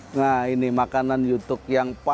nah ini makanan jutuk yang terkenal